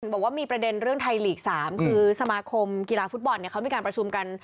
บอกว่ามีประเด็นเรื่องไทยลีก๓คือสมาคมกีฬาฟุตบอลเขามีการประชุมกัน